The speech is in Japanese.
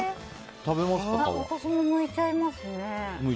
私もむいちゃいますね。